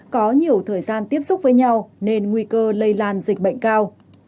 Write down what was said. có nhiều thời gian tiếp xúc với nhau nên nguy cơ lây lan dịch bệnh cao